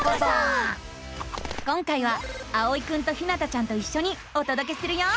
今回はあおいくんとひなたちゃんといっしょにおとどけするよ。